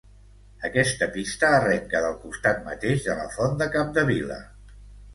Aquesta pista arrenca del costat mateix de la font de Capdevila.